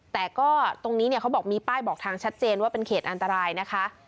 แต่ก็ตรงนี้เนี่ยเขาบอกมีป้ายบอกทางชัดเจนว่าเป็นเขตอันตรายนะคะ